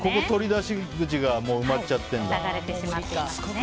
取り出し口が埋まっちゃってるんだ。